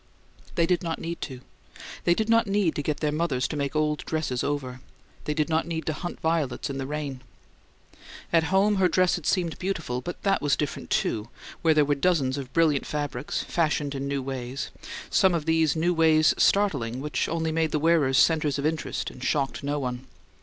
They did not need to; they did not need to get their mothers to make old dresses over; they did not need to hunt violets in the rain. At home her dress had seemed beautiful; but that was different, too, where there were dozens of brilliant fabrics, fashioned in new ways some of these new ways startling, which only made the wearers centers of interest and shocked no one.